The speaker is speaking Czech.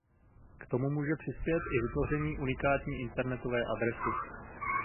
K tomu může přispět i vytvoření unikátní internetové adresy.